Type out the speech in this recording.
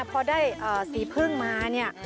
พอได้สีพึ่งมาเนี่ย